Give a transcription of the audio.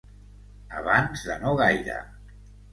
Abans de no gaire.